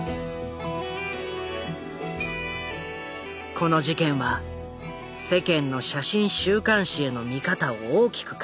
この事件は世間の写真週刊誌への見方を大きく変えた。